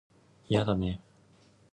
いやだね